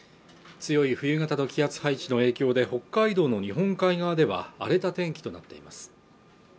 強い冬型の気圧配置の影響で北海道の日本海側では荒れた天気となっています